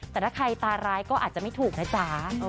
แต่ถ้าใครตาร้ายก็อาจจะไม่ถูกนะจ๊ะ